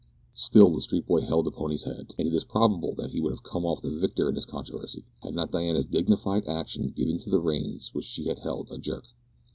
Still the street boy held the pony's head, and it is probable that he would have come off the victor in this controversy, had not Diana's dignified action given to the reins which she held a jerk.